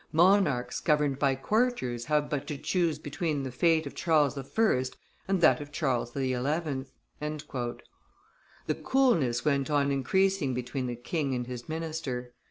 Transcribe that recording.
"monarchs governed by courtiers have but to choose between the fate of Charles I. and that of Charles XI." The coolness went on increasing between the king and his minister.